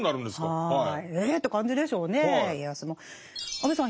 安部さん